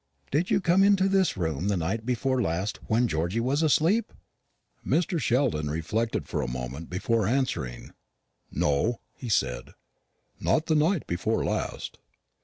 Did you come into this room the night before last, when Georgy was asleep?" Mr. Sheldon reflected for a moment before answering. "No," he said, "not the night before last."